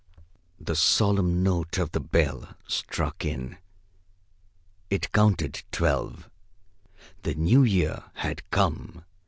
The solemn note of the bell struck in. It counted twelve. The new year had come.